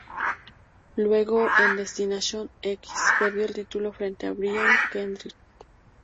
Luego en "Destination X" perdió el título frente a Brian Kendrick.